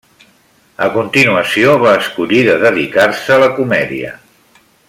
A continuació va escollir de dedicar-se a la comèdia.